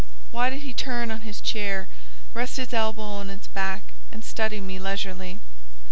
why did he turn on his chair, rest his elbow on its back, and study me leisurely?